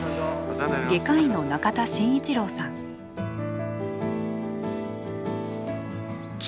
外科医の仲田真一郎さん。